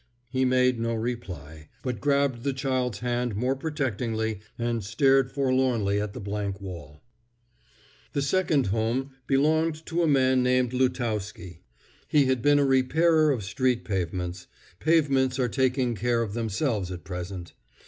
He made no reply, but grabbed the child's hand more protectingly and stared forlornly at the blank wall. The second home belonged to a man named Lutowsky. He had been a repairer of street pavements; pavements are taking care of themselves at present.